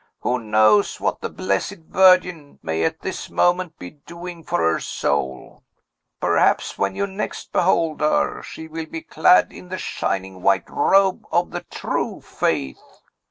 Who knows what the Blessed Virgin may at this moment be doing for her soul! Perhaps, when you next behold her, she will be clad in the shining white robe of the true faith."